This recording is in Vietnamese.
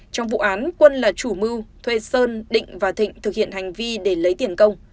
trong vụ án quân là chủ mưu thuê sơn định và thịnh thực hiện hành vi để lấy tiền công